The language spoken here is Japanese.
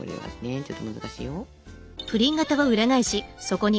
ちょっと難しいよ。